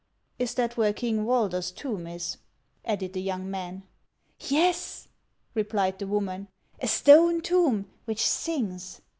" Is that where King Walder's tomb is ?" added the young man. " Yes," replied the woman ;" a stone tomb which sings."